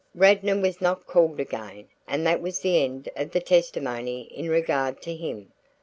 Radnor was not called again and that was the end of the testimony in regard to him.